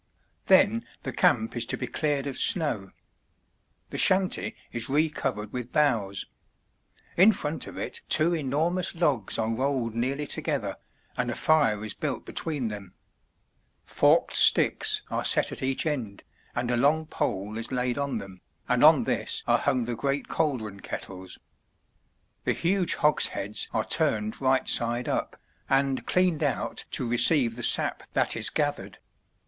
Then the camp is to be cleared of snow. The shanty is re covered with boughs. In front of it two enormous logs are rolled nearly together, and a fire is built between them. Forked sticks are set at each end, and a long pole is laid on them, and on this are hung the great caldron kettles. The huge hogsheads are turned right side up, and cleaned out to receive the sap that is gathered.